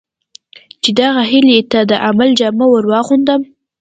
چې دغه هیلې ته د عمل جامه ور واغوندم.